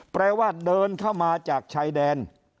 แปลว่าเดินเข้ามาจากชายแดน